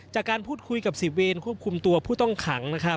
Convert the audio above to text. จากการพูดคุยกับสิบเวรควบคุมตัวผู้ต้องขังนะครับ